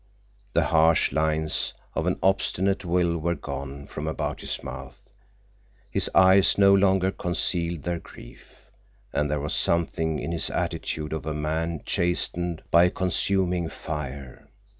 The harsh lines of an obstinate will were gone from about his mouth, his eyes no longer concealed their grief, and there was something in his attitude of a man chastened by a consuming fire.